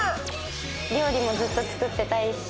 料理もずっと作っていたいし。